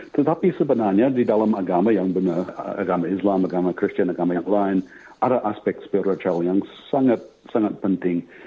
tetapi sebenarnya di dalam agama yang benar agama islam agama kristian agama yang lain ada aspek spiritual yang sangat sangat penting